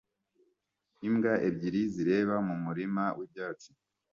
Imbwa ebyiri zireba mu murima wibyatsi